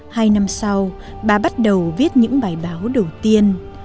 hai năm sau bà bắt đầu viết những bài báo đầu tiên